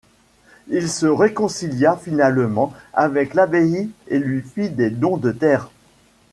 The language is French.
Il se réconcilia finalement avec l'abbaye et lui fit des dons de terre.